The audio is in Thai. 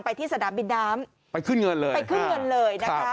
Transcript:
ที่สนามบินน้ำไปขึ้นเงินเลยไปขึ้นเงินเลยนะคะ